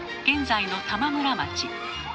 現在の玉村町。